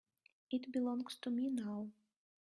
It belongs to me now.